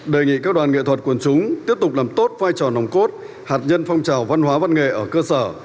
đề nghị các đoàn nghệ thuật quần chúng tiếp tục làm tốt vai trò nồng cốt hạt nhân phong trào văn hóa văn nghệ ở cơ sở